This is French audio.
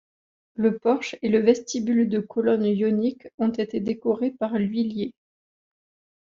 Le porche et le vestibule de colonnes ioniques ont été décorés par Lhuillier.